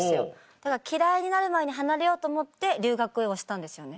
だから嫌いになる前に離れようと思って留学をしたんですよね。